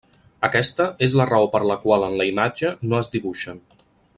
Aquesta és la raó per la qual en la imatge no es dibuixen.